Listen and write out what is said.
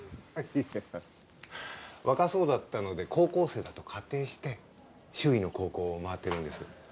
いや若そうだったので高校生だと仮定して周囲の高校を回ってるんです